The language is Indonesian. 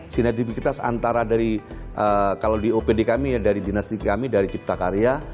sina di kita seantara dari kalau di opd kami dari dinasti kami dari cipta karya